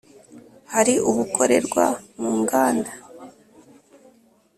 hari ubukorerwa mu nganda